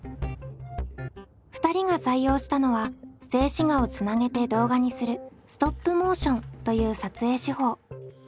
２人が採用したのは静止画をつなげて動画にするストップモーションという撮影手法。